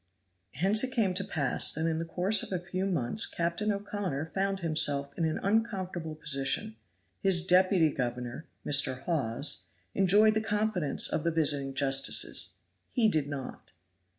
Hence it came to pass that in the course of a few months Captain O'Connor found himself in an uncomfortable position. His deputy governor, Mr. Hawes, enjoyed the confidence of the visiting justices; he did not.